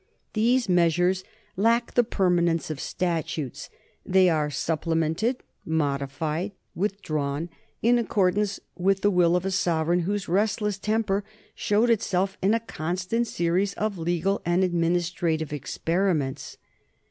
These meas ures lack the permanence of statutes ; they are supple mented, modified, withdrawn, in accordance with the will of a sovereign whose restless temper showed itself in a constant series of legal and administrative experi ments.